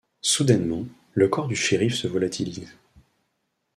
Soudainement, le corps du shérif se volatilise.